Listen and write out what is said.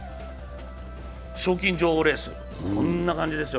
賞金女王レース、こんな感じですよ